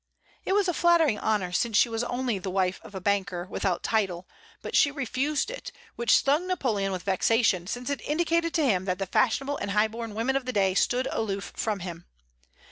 It was a flattering honor, since she was only the wife of a banker, without title; but she refused it, which stung Napoleon with vexation, since it indicated to him that the fashionable and high born women of the day stood aloof from him.